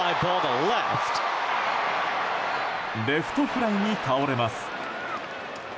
レフトフライに倒れます。